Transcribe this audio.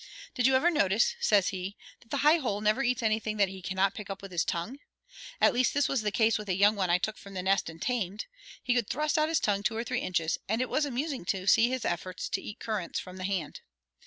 "Did you ever notice," says he, "that the high hole never eats anything that he cannot pick up with his tongue? At least this was the case with a young one I took from the nest and tamed. He could thrust out his tongue two or three inches, and it was amusing to see his efforts to eat currants from the hand.